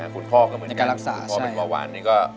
คุณพ่อก็เหมือนกันในการรักษาใช่เพราะว่าวาดนี่ก็